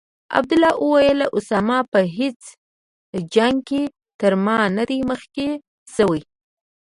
عبدالله وویل: اسامه په هیڅ جنګ کې تر ما نه دی مخکې شوی.